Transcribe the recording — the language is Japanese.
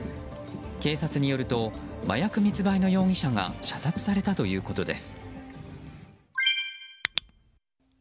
警察によると麻薬密売の容疑者が射殺されたということです。